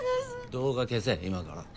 動画消せ今から。